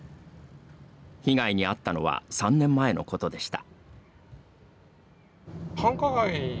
被害に遭ったのは３年前のことでした。